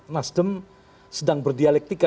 nasdem sedang berdialektika